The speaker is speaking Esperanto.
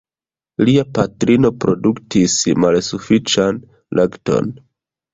Lia patrino produktis malsufiĉan lakton.